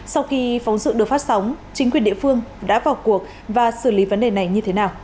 sau khi phóng sự được phát sóng chính quyền địa phương đã vào cuộc và xử lý vấn đề này như thế nào